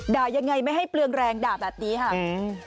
ด่ายังไงไม่ให้เปลืองแรงด่าแบบนี้ครับ